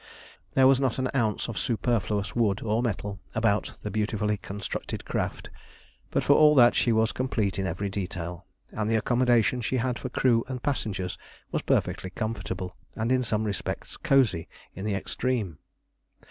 There was not an ounce of superfluous wood or metal about the beautifully constructed craft, but for all that she was complete in every detail, and the accommodation she had for crew and passengers was perfectly comfortable, and in some respects cosy in the extreme.